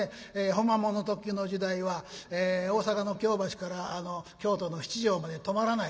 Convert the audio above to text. ほんまもんの特急の時代は大阪の京橋から京都の七条まで止まらないという。